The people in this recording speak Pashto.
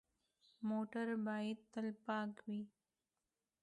موټر باید تل پاک وي.